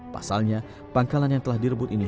pasalnya pangkalan yang telah direbut ini